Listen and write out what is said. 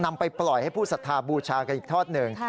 นำไปปล่อยให้ผู้สัทธาบูชากันอีกทอดหนึ่ง